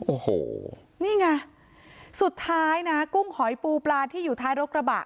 โอ้โหนี่ไงสุดท้ายนะกุ้งหอยปูปลาที่อยู่ท้ายรถกระบะ